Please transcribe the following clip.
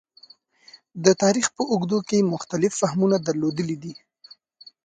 د تاریخ په اوږدو کې مختلف فهمونه درلودلي دي.